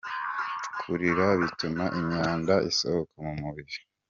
Kurira bituma imyanda isohoka mu mubiri .